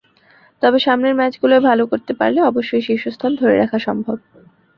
তবে সামনের ম্যাচগুলোয় ভালো করতে পারলে অবশ্যই শীর্ষস্থান ধরে রাখা সম্ভব।